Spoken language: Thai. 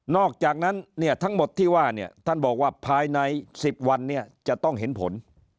อกจากนั้นเนี่ยทั้งหมดที่ว่าเนี่ยท่านบอกว่าภายใน๑๐วันเนี่ยจะต้องเห็นผล